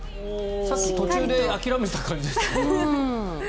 さっき途中で諦めてた感じですもんね。